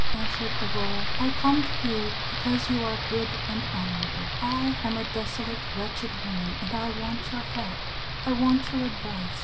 answered Aurora, "I come to you because you are good and honorable. I am a desolate, wretched woman, and I want your help I want your advice.